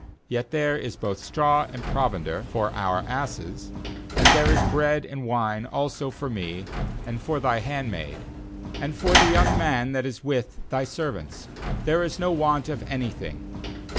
19Yet there is both straw and provender for our asses; and there is bread and wine also for me, and for thy handmaid, 319 19.19 JUDGES and for the young man that is with thy servants; there is no want of any thing.'